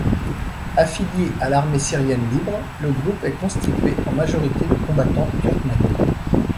Affilié à l'Armée syrienne libre, le groupe est constitué en majorité de combattants turkmènes.